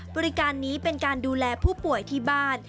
บริการนี้เป็นการดูแลผู้ป่วยที่บ้าน